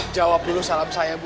jawab dulu salam saya bu